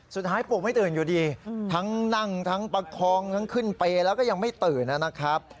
ปลูกไม่ตื่นอยู่ดีทั้งนั่งทั้งประคองทั้งขึ้นเปรย์แล้วก็ยังไม่ตื่นนะครับ